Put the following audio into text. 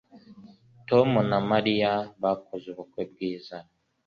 Tom na Mariya bakoze ubukwe bwiza